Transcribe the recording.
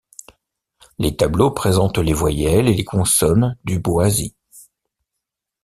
Les tableaux présentent les voyelles et les consonnes du boazi.